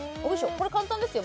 これ簡単ですよ